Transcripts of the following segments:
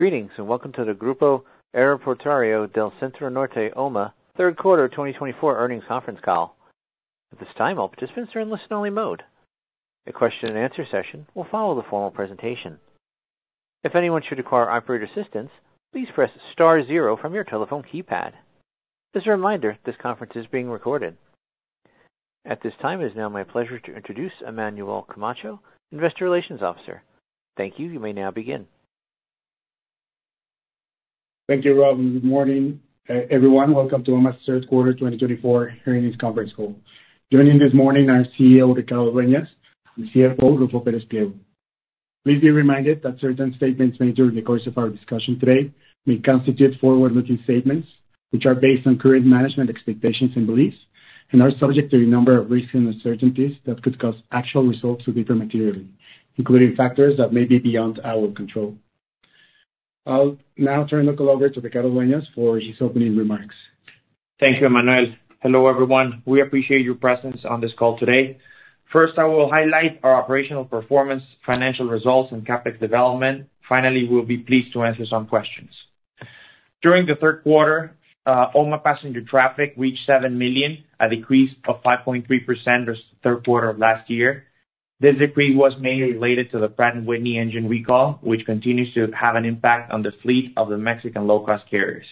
Greetings, and welcome to the Grupo Aeroportuario del Centro Norte, OMA, Third Quarter 2024 Earnings Conference Call. At this time, all participants are in listen-only mode. A question and answer session will follow the formal presentation. If anyone should require operator assistance, please press star zero from your telephone keypad. As a reminder, this conference is being recorded. At this time, it is now my pleasure to introduce Emmanuel Camacho, Investor Relations Officer. Thank you. You may now begin. Thank you, Rob, and good morning, everyone. Welcome to OMA's third quarter 2024 earnings conference call. Joining this morning are CEO Ricardo Dueñas and CFO Ruffo Pérez Pliego. Please be reminded that certain statements made during the course of our discussion today may constitute forward-looking statements, which are based on current management expectations and beliefs, and are subject to a number of risks and uncertainties that could cause actual results to differ materially, including factors that may be beyond our control. I'll now turn the call over to Ricardo Dueñas for his opening remarks. Thank you, Emmanuel. Hello, everyone. We appreciate your presence on this call today. First, I will highlight our operational performance, financial results, and CapEx development. Finally, we'll be pleased to answer some questions. During the third quarter, OMA passenger traffic reached 7 million, a decrease of 5.3% versus third quarter of last year. This decrease was mainly related to the Pratt & Whitney engine recall, which continues to have an impact on the fleet of the Mexican low-cost carriers.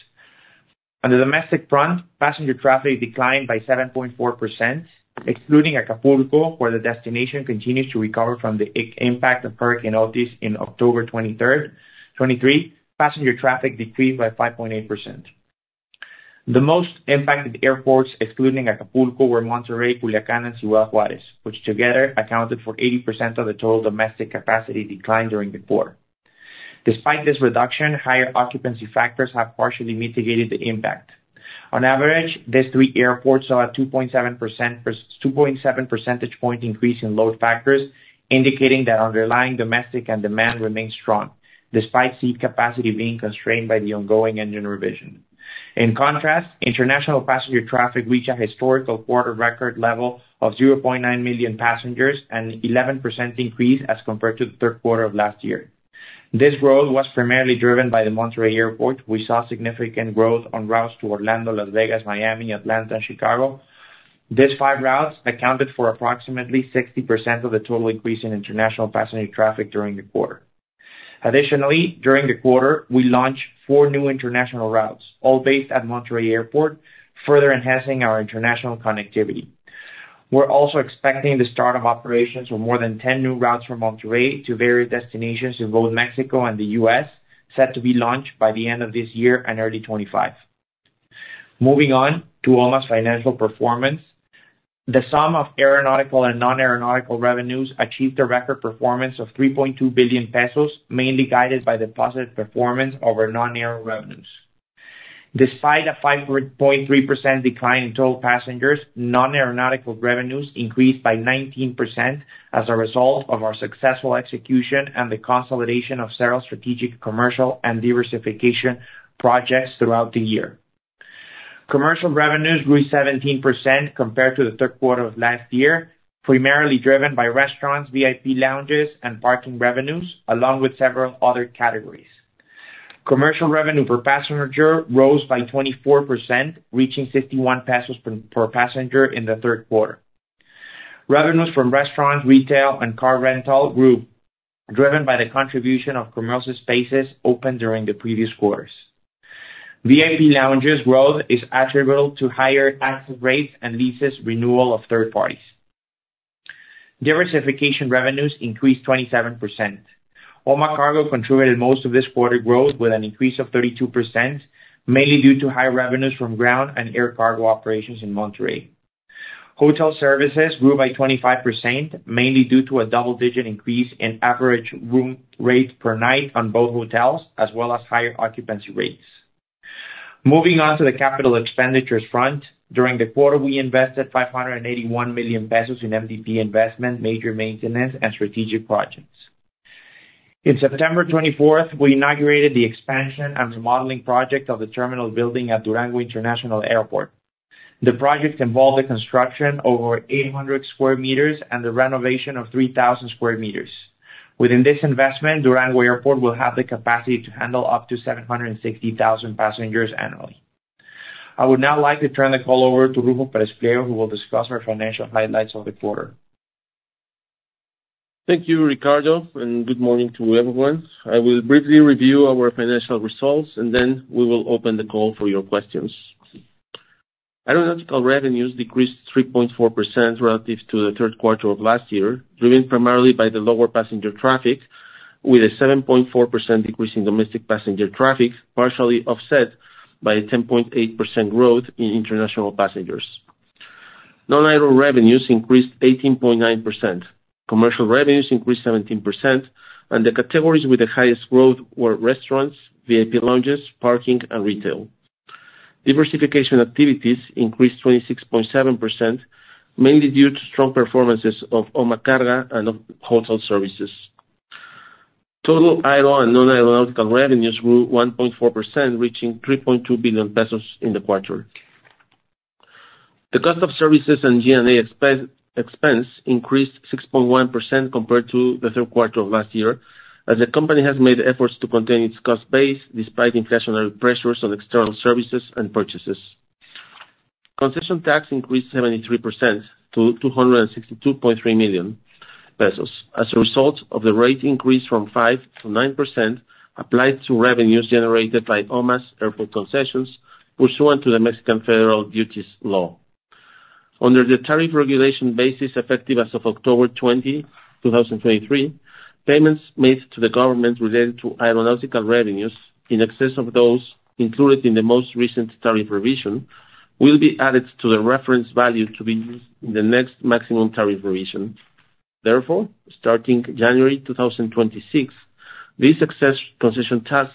On the domestic front, passenger traffic declined by 7.4%, excluding Acapulco, where the destination continues to recover from the impact of Hurricane Otis in October 23, 2023, passenger traffic decreased by 5.8%. The most impacted airports, excluding Acapulco, were Monterrey, Culiacán, and Ciudad Juárez, which together accounted for 80% of the total domestic capacity decline during the quarter. Despite this reduction, higher occupancy factors have partially mitigated the impact. On average, these three airports saw a 2.7 percentage point increase in load factors, indicating that underlying domestic demand remains strong, despite seat capacity being constrained by the ongoing engine revision. In contrast, international passenger traffic reached a historical quarter record level of 0.9 million passengers, an 11% increase as compared to the third quarter of last year. This growth was primarily driven by the Monterrey Airport. We saw significant growth on routes to Orlando, Las Vegas, Miami, Atlanta, and Chicago. These five routes accounted for approximately 60% of the total increase in international passenger traffic during the quarter. Additionally, during the quarter, we launched four new international routes, all based at Monterrey Airport, further enhancing our international connectivity. We're also expecting the start of operations with more than 10 new routes from Monterrey to various destinations in both Mexico and the U.S., set to be launched by the end of this year and early 2025. Moving on to OMA's financial performance. The sum of aeronautical and non-aeronautical revenues achieved a record performance of 3.2 billion pesos, mainly guided by the positive performance over non-aero revenues. Despite a 5.3% decline in total passengers, non-aeronautical revenues increased by 19% as a result of our successful execution and the consolidation of several strategic, commercial, and diversification projects throughout the year. Commercial revenues grew 17% compared to the third quarter of last year, primarily driven by restaurants, VIP lounges, and parking revenues, along with several other categories. Commercial revenue per passenger rose by 24%, reaching 61 pesos per passenger in the third quarter. Revenues from restaurants, retail, and car rental grew, driven by the contribution of commercial spaces opened during the previous quarters. VIP lounges growth is attributable to higher asset rates and leases renewal of third parties. Diversification revenues increased 27%. OMA Carga contributed most of this quarter growth with an increase of 32%, mainly due to high revenues from ground and air cargo operations in Monterrey. Hotel services grew by 25%, mainly due to a double-digit increase in average room rates per night on both hotels, as well as higher occupancy rates. Moving on to the capital expenditures front. During the quarter, we invested 581 million pesos in MDP investment, major maintenance, and strategic projects. In September 20th, we inaugurated the expansion and remodeling project of the terminal building at Durango International Airport. The project involved the construction of 800 sq m and the renovation of 3,000 sq m. Within this investment, Durango Airport will have the capacity to handle up to 760,000 passengers annually. I would now like to turn the call over to Ruffo Pérez Pliego, who will discuss our financial highlights of the quarter. Thank you, Ricardo, and good morning to everyone. I will briefly review our financial results, and then we will open the call for your questions. Aeronautical revenues decreased 3.4% relative to the third quarter of last year, driven primarily by the lower passenger traffic, with a 7.4% decrease in domestic passenger traffic, partially offset by a 10.8% growth in international passengers. Non-aero revenues increased 18.9%. Commercial revenues increased 17%, and the categories with the highest growth were restaurants, VIP lounges, parking, and retail. Diversification activities increased 26.7%, mainly due to strong performances of OMA Carga and of hotel services. Total aero and non-aeronautical revenues grew 1.4%, reaching 3.2 billion pesos in the quarter. The cost of services and G&A expense increased 6.1% compared to the third quarter of last year, as the company has made efforts to contain its cost base despite inflationary pressures on external services and purchases. Concession tax increased 73% to 262.3 million pesos as a result of the rate increase from 5% to 9% applied to revenues generated by OMA's Airport Concessions, pursuant to the Mexican Federal Duties Law. Under the tariff regulation basis, effective as of October 20, 2023, payments made to the government related to aeronautical revenues in excess of those included in the most recent tariff revision, will be added to the reference value to be used in the next maximum tariff revision. Therefore, starting January 2026, these excess concession tax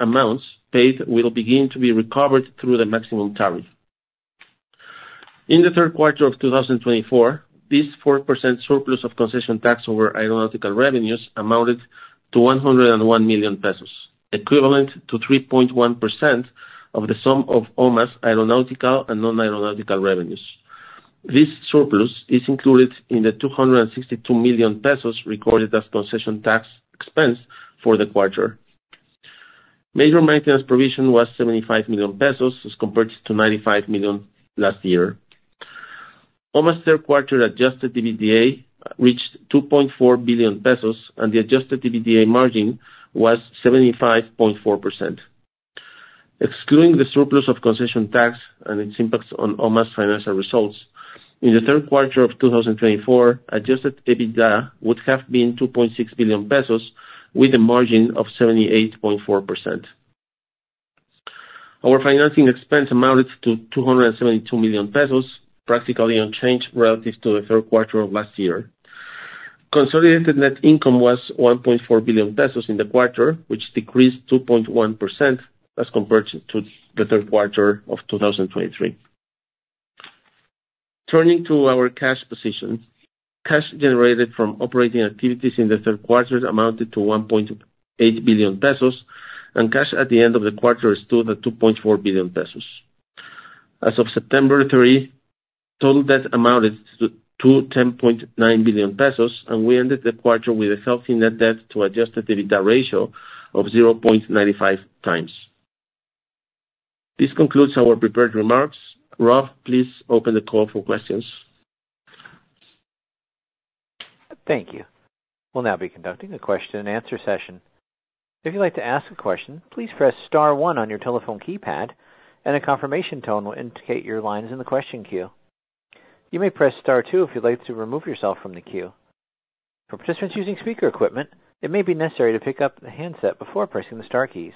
amounts paid will begin to be recovered through the maximum tariff. In the third quarter of 2024, this 4% surplus of concession tax over aeronautical revenues amounted to 101 million pesos, equivalent to 3.1% of the sum of OMA's aeronautical and non-aeronautical revenues. This surplus is included in the 262 million pesos recorded as concession tax expense for the quarter. Major maintenance provision was 75 million pesos, as compared to 95 million last year. OMA's third quarter adjusted EBITDA reached 2.4 billion pesos, and the adjusted EBITDA margin was 75.4%. Excluding the surplus of concession tax and its impacts on OMA's financial results, in the third quarter of 2024, adjusted EBITDA would have been 2.6 billion pesos with a margin of 78.4%. Our financing expense amounted to 272 million pesos, practically unchanged relative to the third quarter of last year. Consolidated net income was 1.4 billion pesos in the quarter, which decreased 2.1% as compared to the third quarter of 2023. Turning to our cash position. Cash generated from operating activities in the third quarter amounted to 1.8 billion pesos, and cash at the end of the quarter stood at 2.4 billion pesos. As of September 30, total debt amounted to 10.9 billion pesos, and we ended the quarter with a healthy net debt to adjusted EBITDA ratio of 0.95x. This concludes our prepared remarks. Rob, please open the call for questions. Thank you. We'll now be conducting a question-and-answer session. If you'd like to ask a question, please press star one on your telephone keypad, and a confirmation tone will indicate your line is in the question queue. You may press star two if you'd like to remove yourself from the queue. For participants using speaker equipment, it may be necessary to pick up the handset before pressing the star keys.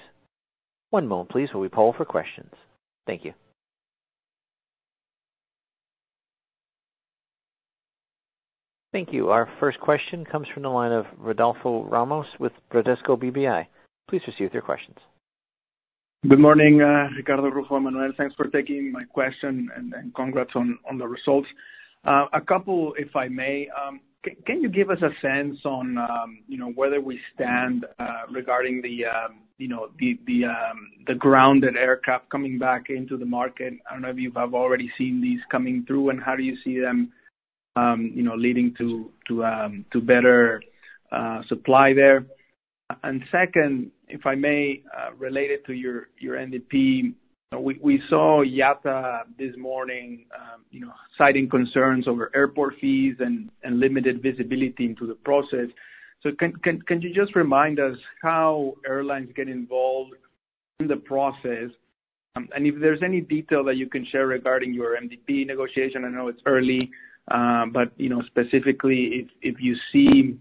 One moment, please, while we poll for questions. Thank you. Thank you. Our first question comes from the line of Rodolfo Ramos with Bradesco BBI. Please proceed with your questions. Good morning, Ricardo, Ruffo, Emmanuel. Thanks for taking my question and congrats on the results. A couple, if I may. Can you give us a sense on, you know, where do we stand regarding the grounded aircraft coming back into the market? I don't know if you have already seen these coming through, and how do you see them, you know, leading to better supply there? And second, if I may, related to your MDP, we saw IATA this morning, you know, citing concerns over airport fees and limited visibility into the process. So can you just remind us how airlines get involved in the process? And if there's any detail that you can share regarding your MDP negotiation. I know it's early, but, you know, specifically if you see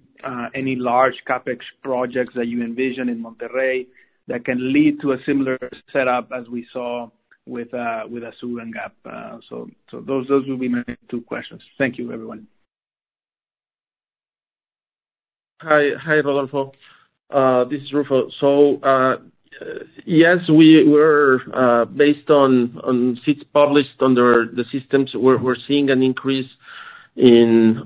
any large CapEx projects that you envision in Monterrey that can lead to a similar setup as we saw with ASUR and GAP. So those will be my two questions. Thank you, everyone. Hi. Hi, Rodolfo. This is Ruffo. So, yes, we were based on seats published under the systems. We're seeing an increase in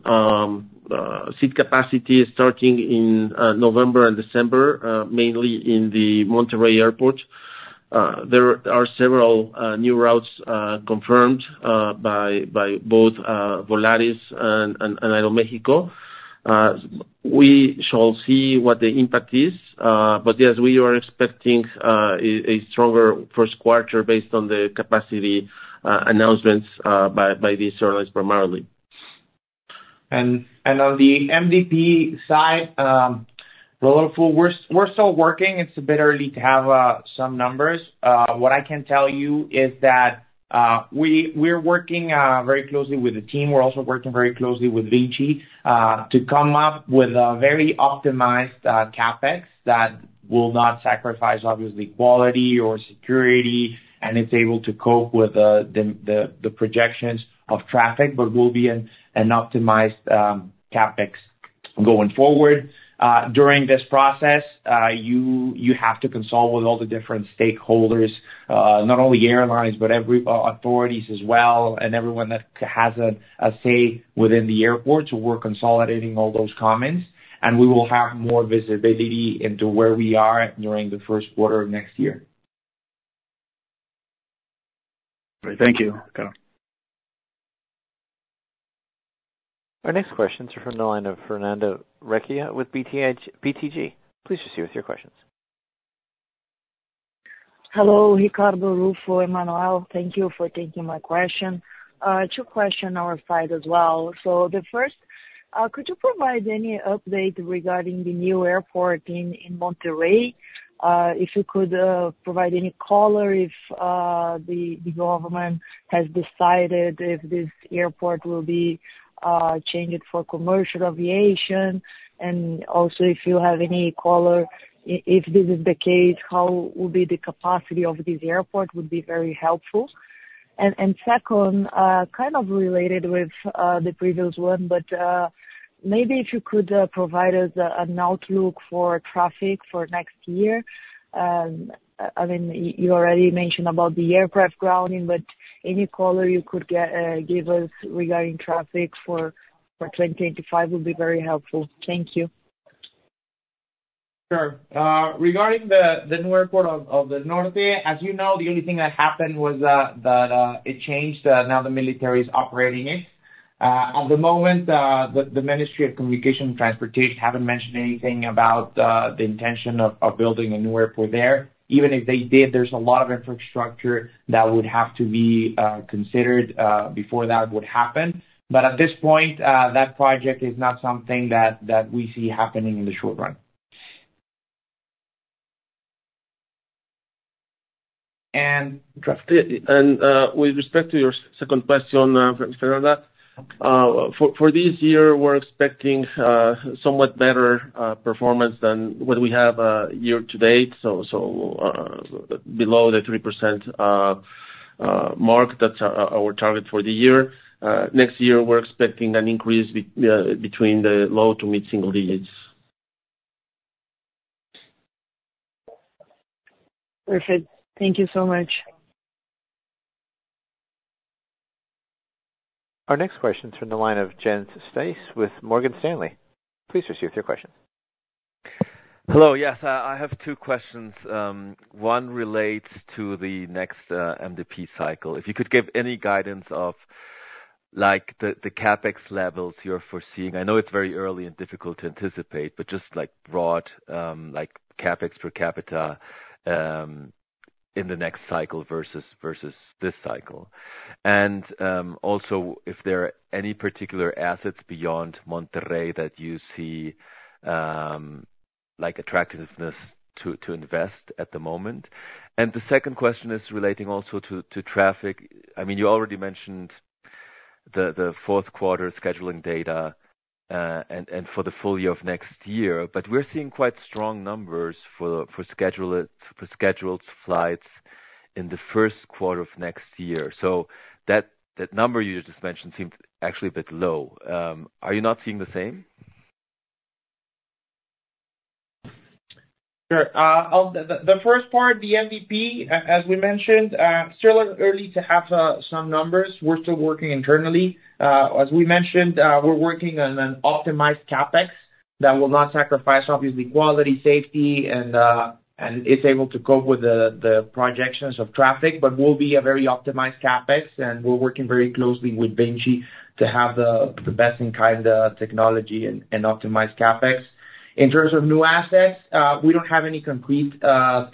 seat capacity starting in November and December, mainly in the Monterrey Airport. There are several new routes confirmed by both Volaris and Aeroméxico. We shall see what the impact is, but yes, we are expecting a stronger first quarter based on the capacity announcements by these airlines primarily. On the MDP side, Rodolfo, we're still working. It's a bit early to have some numbers. What I can tell you is that we're working very closely with the team. We're also working very closely with VINCI to come up with a very optimized CapEx that will not sacrifice, obviously, quality or security, and it's able to cope with the projections of traffic, but will be an optimized CapEx going forward. During this process, you have to consult with all the different stakeholders, not only airlines, but every authorities as well, and everyone that has a say within the airport. So we're consolidating all those comments, and we will have more visibility into where we are during the first quarter of next year. Great. Thank you. Our next question is from the line of Fernanda Recchia with BTG. Please proceed with your questions. Hello, Ricardo, Ruffo, Emmanuel, thank you for taking my question. Two questions on our side as well. So the first, could you provide any update regarding the new airport in Monterrey? If you could provide any color if the government has decided if this airport will be changed for commercial aviation, and also if you have any color, if this is the case, how will be the capacity of this airport, would be very helpful. And second, kind of related with the previous one, but maybe if you could provide us an outlook for traffic for next year. I mean, you already mentioned about the aircraft grounding, but any color you could give us regarding traffic for 2025 would be very helpful. Thank you. Sure. Regarding the new Airport of the Norte, as you know, the only thing that happened was that it changed, now the military is operating it. At the moment, the Ministry of Communication and Transportation haven't mentioned anything about the intention of building a new airport there. Even if they did, there's a lot of infrastructure that would have to be considered before that would happen. But at this point, that project is not something that we see happening in the short run. With respect to your second question, Fernanda, for this year, we're expecting somewhat better performance than what we have year to date. Below the 3% mark, that's our target for the year. Next year, we're expecting an increase between the low to mid single digits. Perfect. Thank you so much. Our next question is from the line of Jens Spiess with Morgan Stanley. Please proceed with your question. Hello. Yes, I have two questions. One relates to the next MDP cycle. If you could give any guidance of, like, the CapEx levels you're foreseeing. I know it's very early and difficult to anticipate, but just, like, broad, like, CapEx per capita in the next cycle versus this cycle. And also, if there are any particular assets beyond Monterrey that you see, like, attractiveness to invest at the moment. And the second question is relating also to traffic. I mean, you already mentioned the fourth quarter scheduling data, and for the full year of next year, but we're seeing quite strong numbers for scheduled flights in the first quarter of next year. So that number you just mentioned seems actually a bit low. Are you not seeing the same? Sure. The first part, the MDP, as we mentioned, still early to have some numbers. We're still working internally. As we mentioned, we're working on an optimized CapEx that will not sacrifice, obviously, quality, safety, and is able to cope with the projections of traffic, but will be a very optimized CapEx, and we're working very closely with VINCI to have the best in kind technology and optimized CapEx. In terms of new assets, we don't have any concrete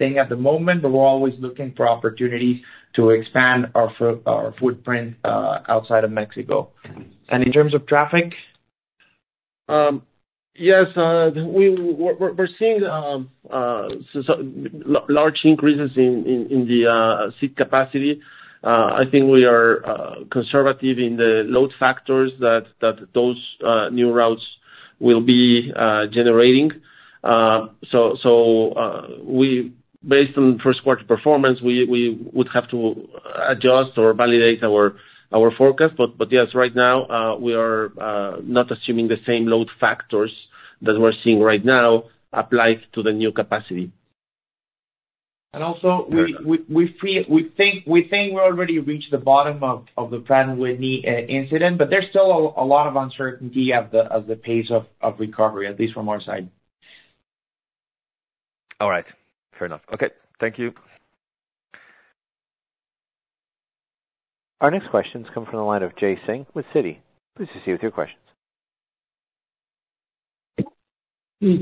thing at the moment, but we're always looking for opportunities to expand our footprint outside of Mexico, and in terms of traffic? Yes, we're seeing large increases in the seat capacity. I think we are conservative in the load factors that those new routes will be generating. So, based on first quarter performance, we would have to adjust or validate our forecast, but yes, right now, we are not assuming the same load factors that we're seeing right now applies to the new capacity. We feel, we think we already reached the bottom of the plan with the incident, but there's still a lot of uncertainty at the pace of recovery, at least from our side. All right. Fair enough. Okay. Thank you. Our next question comes from the line of Jay Singh with Citi. Please proceed with your questions.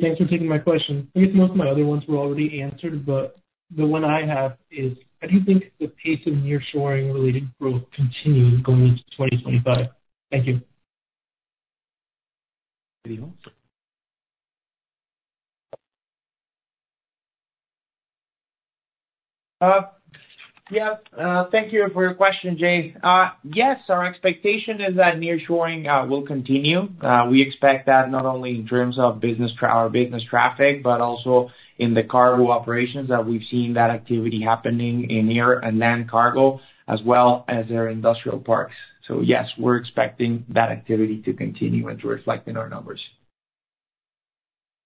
Thanks for taking my question. I think most of my other ones were already answered, but the one I have is: How do you think the pace of nearshoring-related growth continues going into 2025? Thank you. Yeah, thank you for your question, Jay. Yes, our expectation is that nearshoring will continue. We expect that not only in terms of business traffic, but also in the cargo operations, that we've seen that activity happening in air and land cargo, as well as our industrial parks. So yes, we're expecting that activity to continue and to reflect in our numbers.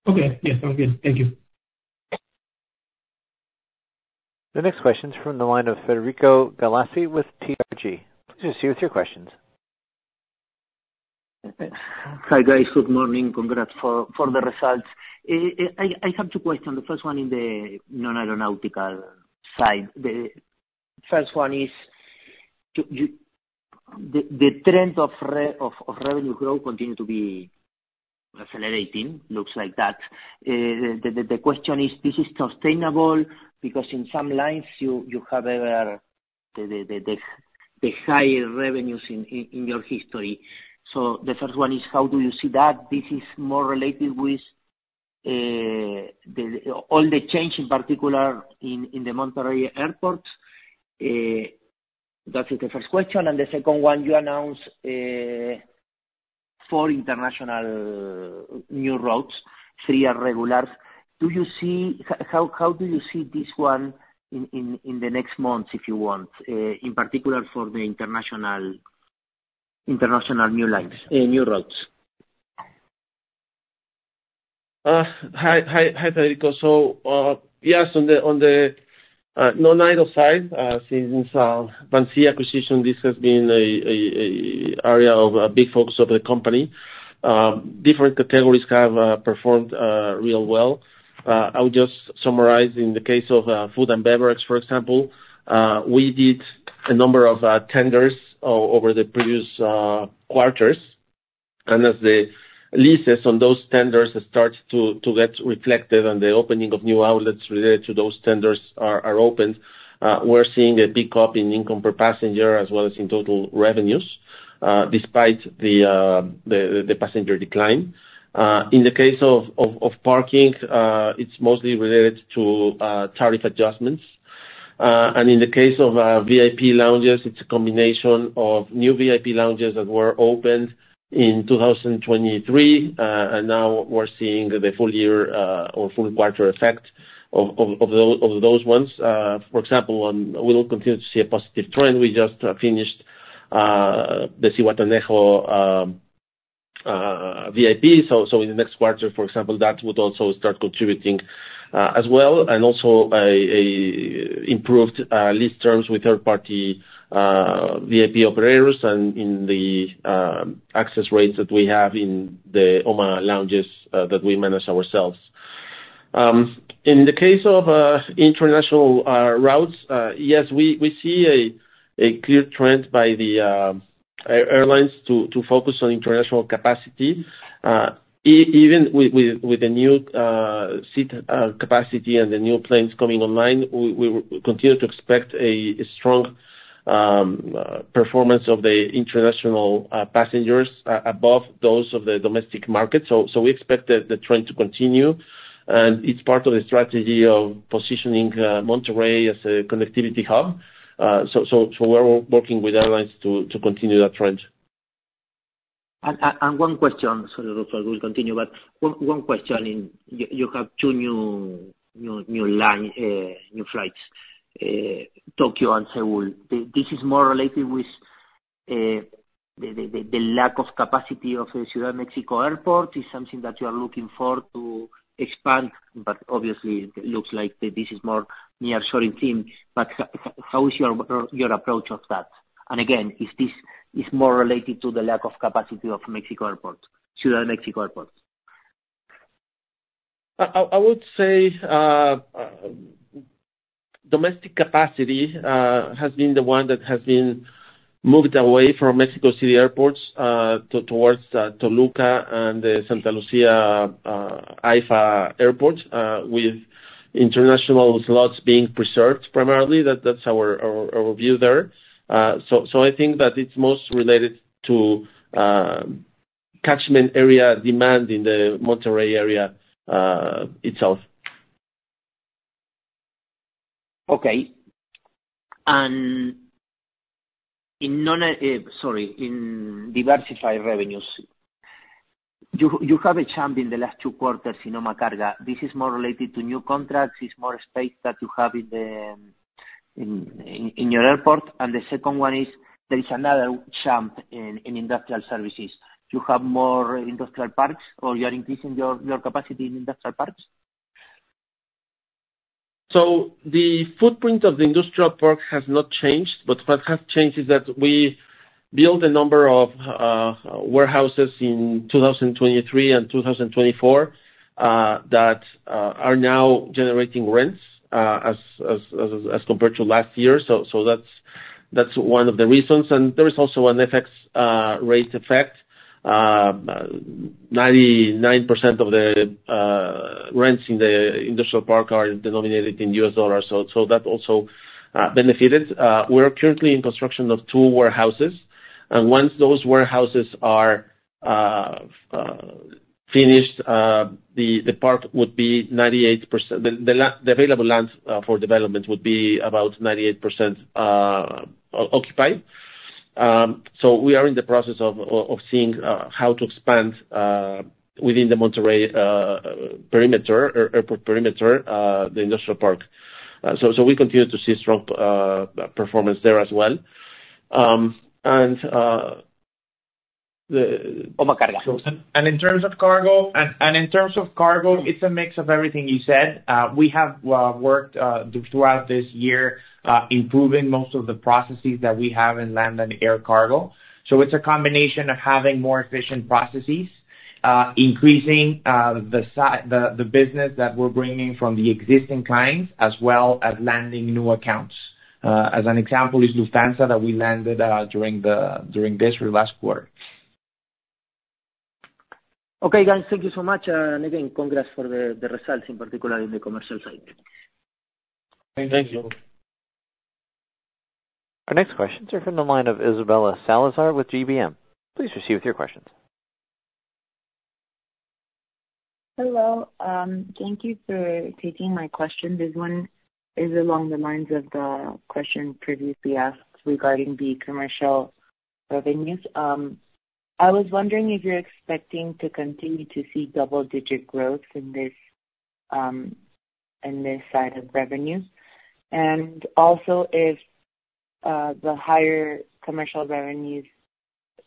Okay. Yes, sounds good. Thank you. The next question is from the line of Federico Galassi with TRG. Please proceed with your questions. Hi, guys. Good morning. Congrats for the results. I have two questions. The first one in the non-aeronautical side. First one is, does the trend of revenue growth continue to be accelerating? Looks like that. The question is, is this sustainable because in some lines you have ever-higher revenues in your history. So the first one is, how do you see that this is more related with all the change, in particular in the Monterrey Airports? That is the first question. And the second one, you announce four international new routes, three are regulars. How do you see this one in the next months, if you want, in particular for the international new lines, new routes? Hi, Federico. So, yes, on the non-aero side, since VINCI acquisition, this has been an area of big focus of the company. Different categories have performed real well. I would just summarize, in the case of food and beverage, for example, we did a number of tenders over the previous quarters. And as the leases on those tenders start to get reflected, and the opening of new outlets related to those tenders are opened, we're seeing a big up in income per passenger, as well as in total revenues, despite the passenger decline. In the case of parking, it's mostly related to tariff adjustments. In the case of VIP lounges, it's a combination of new VIP lounges that were opened in 2023, and now we're seeing the full year or full quarter effect of those ones. For example, we will continue to see a positive trend. We just finished the VIP. So in the next quarter, for example, that would also start contributing as well, and also an improved lease terms with third-party VIP operators, and in the access rates that we have in the OMA lounges that we manage ourselves. In the case of international routes, yes, we see a clear trend by the airlines to focus on international capacity. Even with the new seat capacity and the new planes coming online, we continue to expect a strong performance of the international passengers above those of the domestic market, so we expect the trend to continue, and it's part of the strategy of positioning Monterrey as a connectivity hub, so we're working with airlines to continue that trend. One question. Sorry, Rafael, we'll continue, but one question. Do you have two new lines, new flights, Tokyo and Seoul? This is more related with the lack of capacity of the Ciudad de México Airport. Is something that you are looking for to expand, but obviously it looks like this is more nearshoring theme. But how is your approach of that? And again, is this more related to the lack of capacity of Mexico City Airport, Ciudad de México Airport? I would say domestic capacity has been the one that has been moved away from Mexico City Airports towards Toluca and the Santa Lucía AIFA Airport with international slots being preserved primarily. That's our view there. I think that it's most related to catchment area demand in the Monterrey area itself. Okay. And in diversified revenues, you have a jump in the last two quarters in OMA Carga. This is more related to new contracts, it's more space that you have in your airport? And the second one is, there is another jump in industrial services. You have more industrial parks, or you are increasing your capacity in industrial parks? The footprint of the industrial park has not changed, but what has changed is that we built a number of warehouses in 2023 and 2024 that are now generating rents as compared to last year. That's one of the reasons, and there is also an FX rate effect. Ninety-nine percent of the rents in the industrial park are denominated in U.S. dollars, so that also benefited. We are currently in construction of two warehouses, and once those warehouses are finished, the park would be 98%. The available lands for development would be about 98% occupied. We are in the process of seeing how to expand within the Monterrey perimeter or the industrial park. So we continue to see strong performance there as well. And the-- OMA Cargo. In terms of cargo, it's a mix of everything you said. We have worked throughout this year improving most of the processes that we have in land and air cargo. It's a combination of having more efficient processes, increasing the business that we're bringing from the existing clients, as well as landing new accounts. As an example is Lufthansa that we landed during this last quarter. Okay, guys, thank you so much, and again, congrats for the results, in particular in the commercial side. Thank you. Our next question is from the line of Isabela Salazar with GBM. Please proceed with your questions. Hello, thank you for taking my question. This one is along the lines of the question previously asked regarding the commercial revenues. I was wondering if you're expecting to continue to see double digit growth in this, in this side of revenues, and also, if the higher commercial revenues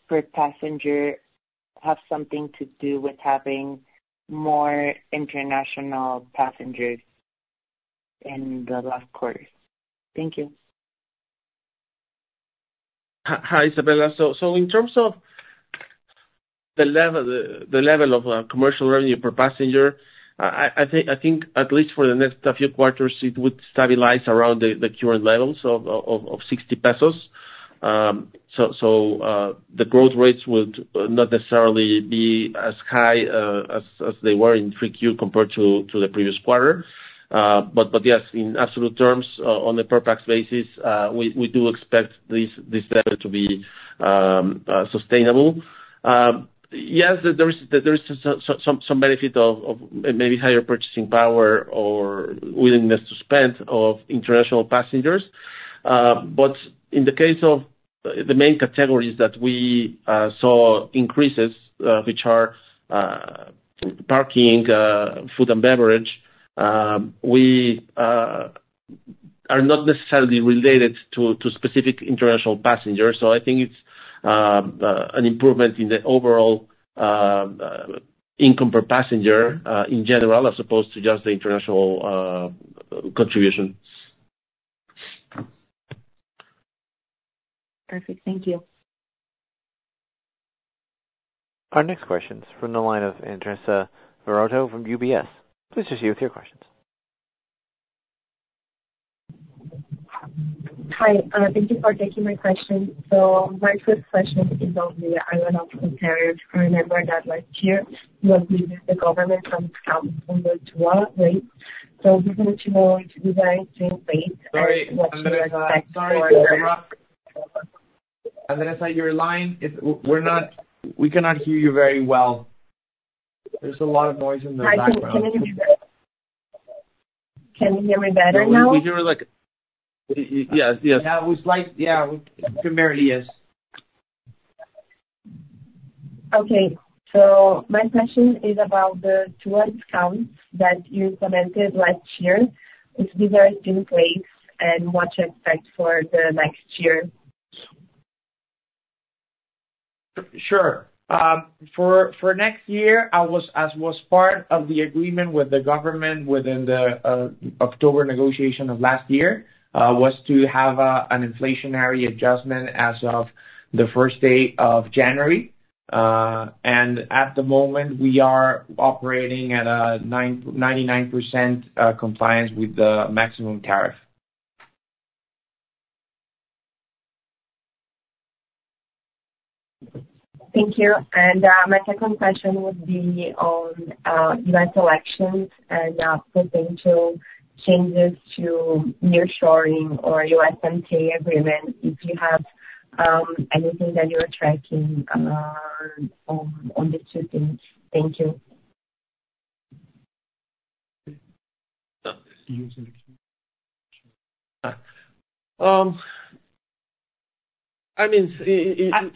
per passenger have something to do with having more international passengers in the last quarter? Thank you. Hi, Isabella. So, in terms of the level of commercial revenue per passenger, I think at least for the next few quarters, it would stabilize around the current levels of 60 pesos. So, the growth rates would not necessarily be as high as they were in 3Q compared to the previous quarter. But yes, in absolute terms, on a per pax basis, we do expect this level to be sustainable. Yes, there is some benefit of maybe higher purchasing power or willingness to spend of international passengers. But in the case of the main categories that we saw increases, which are parking, food and beverage, we are not necessarily related to specific international passengers. So I think it's an improvement in the overall income per passenger in general, as opposed to just the international contributions. Perfect. Thank you. Our next question is from the line of Andressa Varotto from UBS. Please proceed with your questions. Hi, thank you for taking my question. So my first question is on the airline fares. I remember that last year you agreed with the government on discount on the TUA rates. So just want to know if you guys still in place and what you expect for- Sorry, Andressa. Sorry to interrupt. Andressa, your line is--we cannot hear you very well. There's a lot of noise in the background. Hi, can you hear me? Can you hear me better now? We hear you like--Yes, yes. Now it's like--Yeah, primarily, yes. Okay. So my question is about the TUA discounts that you commented last year. Is this in place, and what you expect for the next year? Sure. For next year, as was part of the agreement with the government within the October negotiation of last year, was to have an inflationary adjustment as of the first day of January. And at the moment, we are operating at a 99% compliance with the maximum tariff. Thank you, and my second question would be on U.S. elections and potential changes to nearshoring or USMCA agreement, if you have anything that you are tracking on the two things. Thank you. I mean,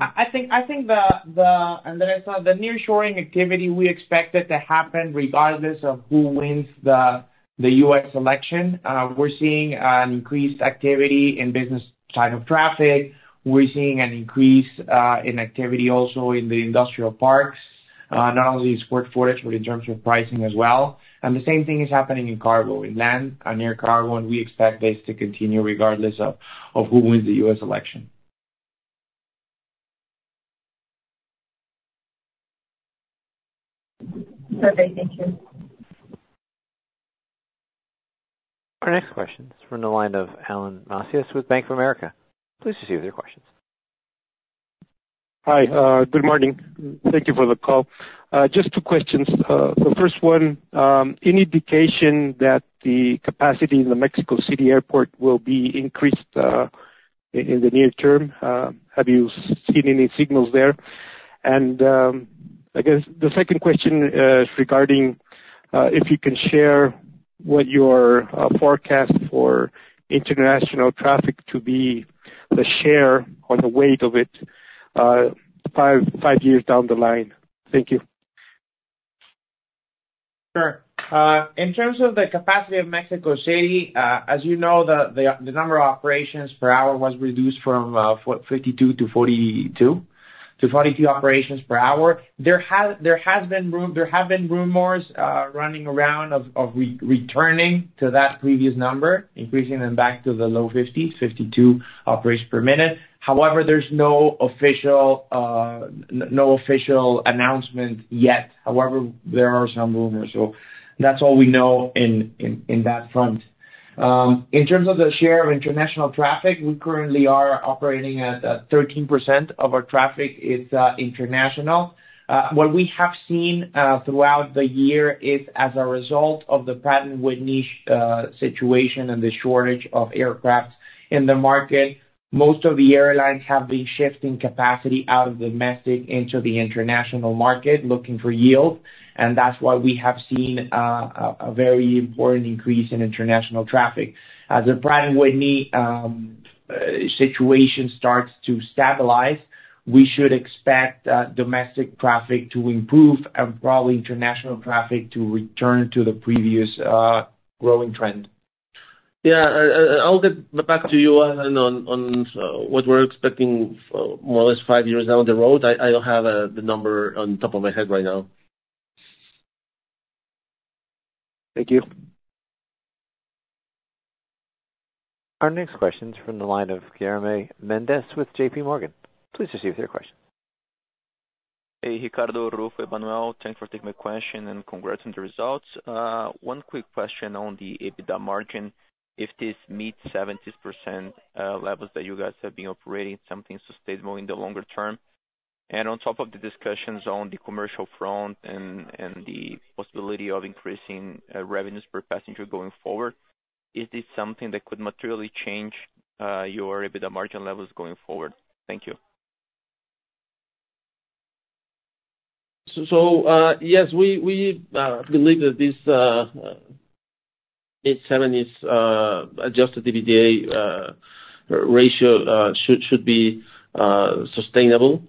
I think Andressa, the nearshoring activity, we expect it to happen regardless of who wins the U.S. election. We're seeing an increased activity in business type of traffic. We're seeing an increase in activity also in the industrial parks, not only in square footage, but in terms of pricing as well. And the same thing is happening in cargo, in land and air cargo, and we expect this to continue regardless of who wins the U.S. election. Okay, thank you. Our next question is from the line of Alan Macias with Bank of America. Please proceed with your questions. Hi, good morning. Thank you for the call. Just two questions. The first one, any indication that the capacity in the Mexico City Airport will be increased, in the near term? Have you seen any signals there? And, I guess the second question, is regarding, if you can share what your forecast for international traffic to be, the share or the weight of it, five years down the line. Thank you. Sure. In terms of the capacity of Mexico City, as you know, the number of operations per hour was reduced from 52 to 42 operations per hour. There have been rumors running around of returning to that previous number, increasing them back to the low 50s, 52 operations per minute. However, there's no official no official announcement yet. However, there are some rumors, so that's all we know in that front. In terms of the share of international traffic, we currently are operating at 13% of our traffic is international. What we have seen throughout the year is, as a result of the Pratt & Whitney situation and the shortage of aircraft in the market, most of the airlines have been shifting capacity out of domestic into the international market, looking for yield, and that's why we have seen a very important increase in international traffic. As the Pratt & Whitney situation starts to stabilize, we should expect domestic traffic to improve and probably international traffic to return to the previous growing trend. I'll get back to you on what we're expecting more or less five years down the road. I don't have the number on top of my head right now. Thank you. Our next question is from the line of Guilherme Mendes with J.P. Morgan. Please proceed with your question. Hey, Ricardo, Rufo, Emmanuel, thanks for taking my question, and congrats on the results. One quick question on the EBITDA margin. If this meets 70% levels that you guys have been operating, something sustainable in the longer term? And on top of the discussions on the commercial front and the possibility of increasing revenues per passenger going forward, is this something that could materially change your EBITDA margin levels going forward? Thank you. Yes, we believe that this 8.7x's adjusted EBITDA ratio should be sustainable.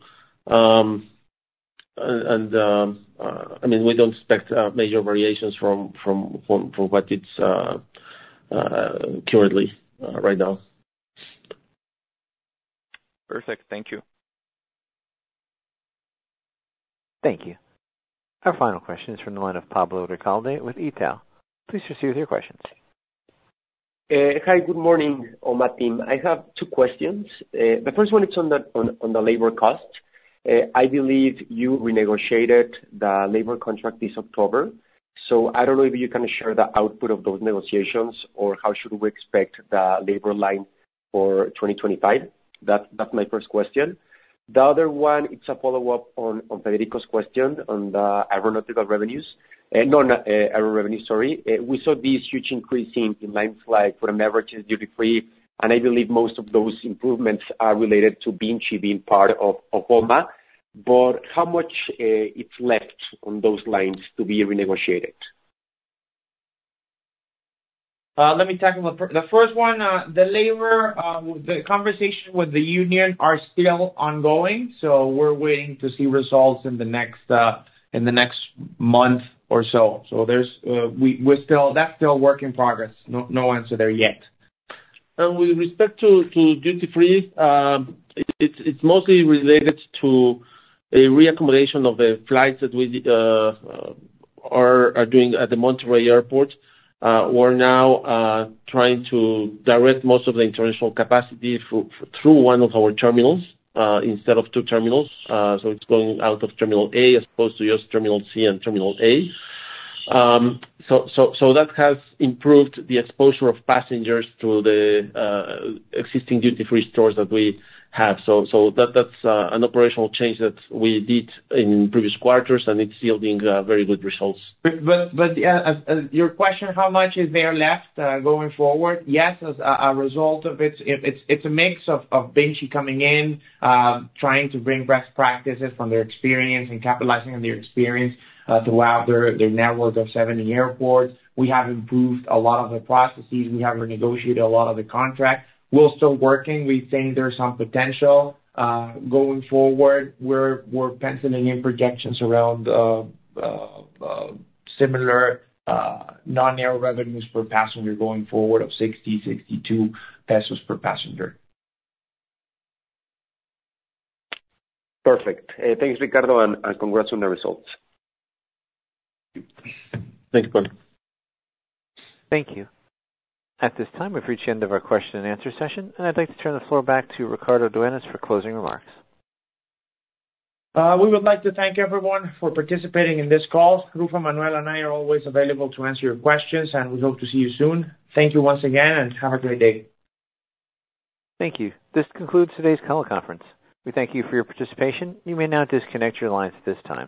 And I mean, we don't expect major variations from what it's currently right now. Perfect. Thank you. Thank you. Our final question is from the line of Pablo Ricalde with Itaú. Please proceed with your questions. Hi, good morning, OMA team. I have two questions. The first one is on the labor cost. I believe you renegotiated the labor contract this October, so I don't know if you can share the output of those negotiations or how should we expect the labor line for 2025? That's my first question. The other one, it's a follow-up on Federico's question on the aeronautical revenues. No, not aero revenue, sorry. We saw this huge increase in lines like for average duty free, and I believe most of those improvements are related to VINCI being part of OMA. But how much it's left on those lines to be renegotiated? Let me tackle the first one, the labor, the conversation with the union are still ongoing, so we're waiting to see results in the next month or so. So there's, we're still. That's still work in progress. No, no answer there yet. With respect to duty free, it's mostly related to a reaccommodation of the flights that we are doing at the Monterrey Airport. We're now trying to direct most of the international capacity through one of our terminals instead of two terminals. So it's going out of Terminal A as opposed to just Terminal C and Terminal A. So that has improved the exposure of passengers to the existing duty free stores that we have. So that's an operational change that we did in previous quarters, and it's yielding very good results. Your question, how much is there left going forward? Yes, as a result of it, it's a mix of VINCI coming in, trying to bring best practices from their experience and capitalizing on their experience throughout their network of 70 airports. We have improved a lot of the processes. We have renegotiated a lot of the contracts. We're still working. We think there's some potential. Going forward, we're penciling in projections around similar non-air revenues per passenger going forward of 60-62 pesos per passenger. Perfect. Thanks, Ricardo, and congrats on the results. Thanks, Pablo. Thank you. At this time, we've reached the end of our question and answer session, and I'd like to turn the floor back to Ricardo Dueñas for closing remarks. We would like to thank everyone for participating in this call. Ruffo, Emmanuel, and I are always available to answer your questions, and we hope to see you soon. Thank you once again, and have a great day. Thank you. This concludes today's conference call. We thank you for your participation. You may now disconnect your lines at this time.